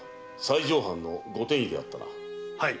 はい。